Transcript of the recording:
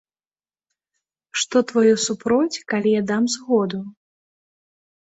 Што тваё супроць, калі я дам згоду.